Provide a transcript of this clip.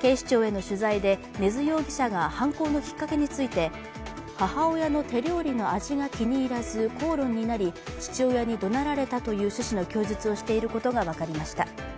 警視庁への取材で、根津容疑者が犯行のきっかけについて母親の手料理の味が気に入らず口論になり父親にどなられたという趣旨の供述をしていることが分かりました。